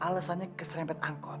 alasannya keserempet angkot